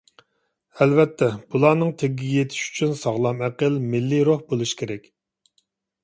ئەلۋەتتە، بۇلارنىڭ تېگىگە يېتىش ئۈچۈن ساغلام ئەقىل، مىللىي روھ بولۇش كېرەك.